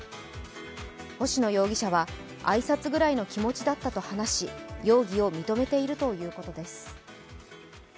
星野容疑者は、挨拶ぐらいの気持ちだったと話し容疑を認めているということです。